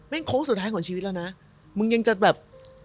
โค้งสุดท้ายของชีวิตแล้วนะมึงยังจะแบบ